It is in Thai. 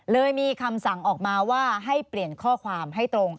เลยมีคำสั่งออกมาว่าให้เปลี่ยนข้อความให้ตรง